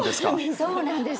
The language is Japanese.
そうなんです。